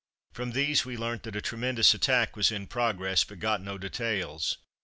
From these we learnt that a tremendous attack was in progress, but got no details.